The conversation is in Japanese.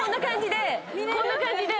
こんな感じで。